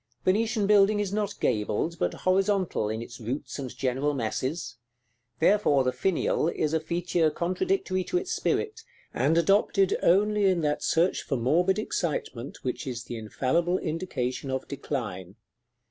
Venetian building is not gabled, but horizontal in its roots and general masses; therefore the finial is a feature contradictory to its spirit, and adopted only in that search for morbid excitement which is the infallible indication of decline.